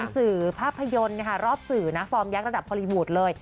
สื่อภาพยนตร์รอบสื่อนะฟอร์มยักษระดับฮอลลีวูดเลย